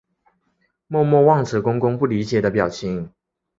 默默望着公公不理解的表情